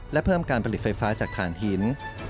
และเพิ่มการผลิตไฟฟ้าจากฐานหิน